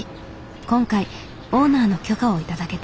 今回オーナーの許可を頂けた。